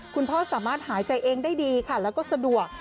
คุณพ่อสามารถหายใจเองได้ดีค่ะแล้วก็สะดวก